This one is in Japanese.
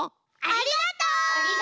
ありがとう！